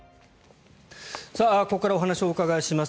ここからお話をお伺いします